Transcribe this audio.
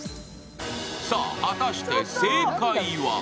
さあ、果たして正解は？